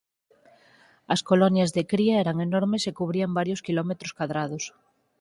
As colonias de cría eran enormes e cubrían varios quilómetros cadrados.